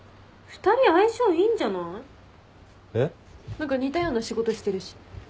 何か似たような仕事してるし。